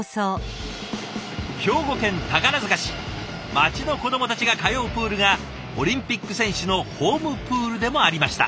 町の子どもたちが通うプールがオリンピック選手のホームプールでもありました。